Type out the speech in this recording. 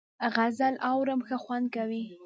غزل اورم ښه خوند کوي .